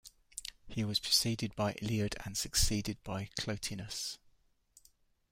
He was preceded by Eliud and succeeded by Clotenus.